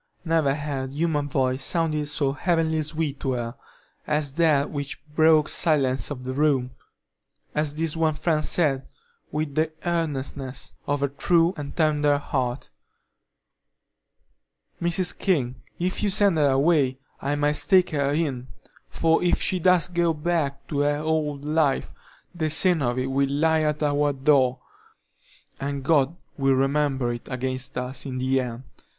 Never had human voice sounded so heavenly sweet to her as that which broke the silence of the room, as this one friend said, with the earnestness of a true and tender heart: "Mrs. King, if you send her away, I must take her in; for if she does go back to the old life, the sin of it will lie at our door, and God will remember it against us in the end.